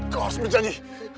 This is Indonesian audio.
kau harus mencari